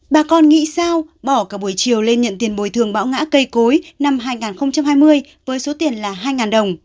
bà con nghĩ sao bỏ cả buổi chiều lên nhận tiền bồi thường bão ngã cây cối năm hai nghìn hai mươi với số tiền là hai đồng